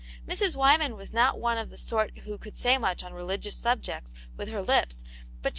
Mrs. Wyman was not one of the sort who could say much on religious subjects with her lips, but sh^